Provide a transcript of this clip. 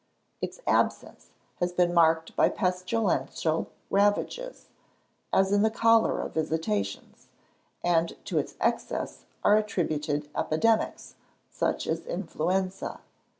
Its absence has been marked by pestilential ravages, as in the cholera visitations; and to its excess are attributed epidemics, such as influenza.